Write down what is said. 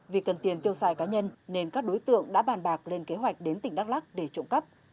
vì cần tiền tiêu xài cá nhân nên các đối tượng đã bàn bạc lên kế hoạch đến tỉnh đắk lắc để trộm cắp